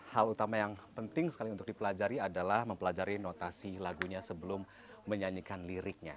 hal utama yang penting sekali untuk dipelajari adalah mempelajari notasi lagunya sebelum menyanyikan liriknya